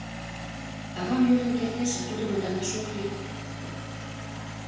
Авам йодын кертеш, а тудым ондалаш ок лий.